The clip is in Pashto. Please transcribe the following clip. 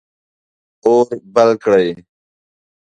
اور بل کړئ